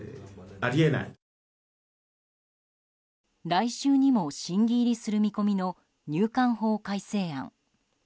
来週にも審議入りする見込みの入管法改正案。